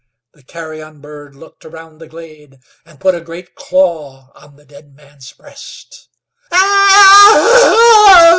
The carrion bird looked around the glade, and put a great claw on the dead man's breast.